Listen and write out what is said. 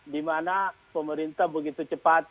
dimana pemerintah begitu cepat